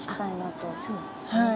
あっそうですね。